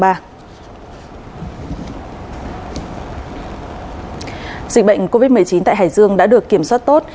dịch bệnh covid một mươi chín tại hải dương đã được kiểm soát tốt